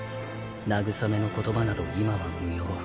慰めの言葉など今は無用。